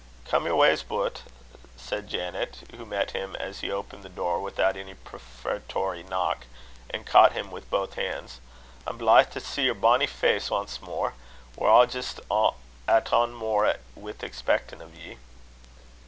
"Come yer wa's butt," said Janet, who met him as he opened the door without any prefatory knock, and caught him with both hands; "I'm blithe to see yer bonny face ance mair. We're a' jist at ane mair wi' expeckin' o' ye."